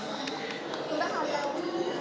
mbah samba uti